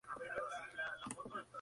A primera vista me dio lástima.